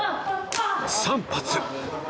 ３発！